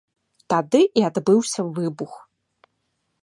Тады і адбыўся выбух.